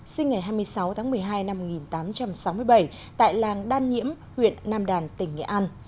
sinh ngày hai mươi sáu tháng một mươi hai năm một nghìn tám trăm sáu mươi bảy tại làng đan nhiễm huyện nam đàn tỉnh nghệ an